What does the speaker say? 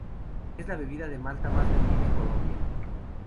Es la bebida de malta más vendida en Colombia.